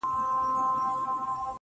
دغه سپينه سپوږمۍ.